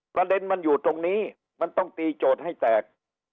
ประเด็นมันอยู่ตรงนี้มันต้องตีโจทย์ให้แตก